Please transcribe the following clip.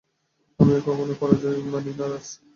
আমি কখনই পরাজয় মানি না, রাজ।